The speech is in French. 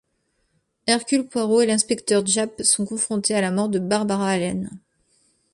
Hercule Poirot et l'inspecteur Japp sont confrontés à la mort de Barbara Allen.